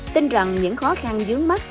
tin rằng những khó khăn dướng mắt